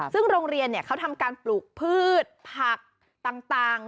ซึ่งโรงเรียนเขาทำการปลูกพืชผักต่าง